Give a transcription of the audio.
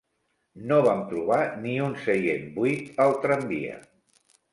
No vam trobar ni un seient buit, al tramvia.